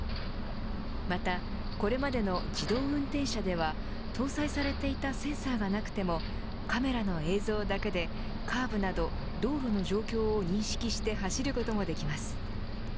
また、これまでの自動運転車では搭載されていたセンサーがなくてもカメラの映像だけでカーブなど道路の状況を認識して走ることもできます。